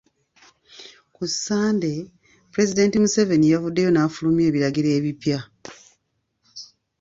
Ku Ssande, Pulezidenti Museveni yavuddeyo n’afulumya ebiragiro ebipya.